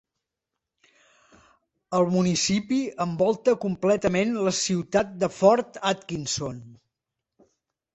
El municipi envolta completament la ciutat de Fort Atkinson.